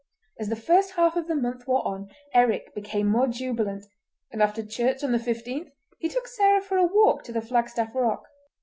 As the first half of the month wore on Eric became more jubilant, and after church on the 15th he took Sarah for a walk to the Flagstaff Rock.